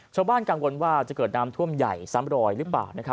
ชาวบ้านกังวลว่าจะเกิดน้ำท่วมใหญ่ซ้ำรอยหรือเปล่า